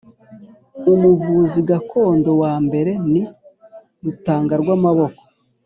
umuvuzi gakondo wa mbere ni rutangarwamaboko